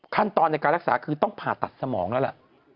ขั้นตอนในการรักษาคือต้องผ่าตัดสมองแล้วล่ะ